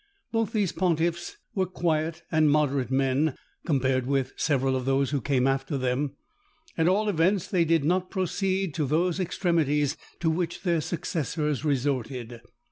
Both these pontiffs were quiet and moderate men, compared with several of those who came after them. At all events, they did not proceed to those extremities to which their successors resorted.